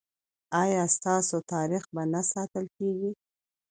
ایا ستاسو تاریخ به نه ساتل کیږي؟